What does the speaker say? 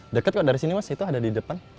deket kok dari sini mas itu ada di depan